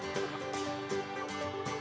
jadi kita harus berhati hati